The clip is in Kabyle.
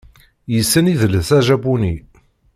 Yessen idles ajapuni.